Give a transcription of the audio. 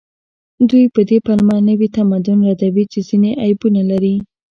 دوی په دې پلمه نوي تمدن ردوي چې ځینې عیبونه لري